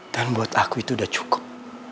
dan buat aku itu udah cukup